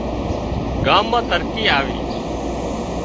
ڳام مان ترقي آوي